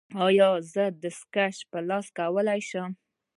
ایا زه دستکشې په لاس کولی شم؟